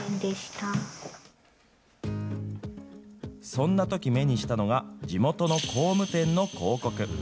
そんなとき目にしたのが、地元の工務店の広告。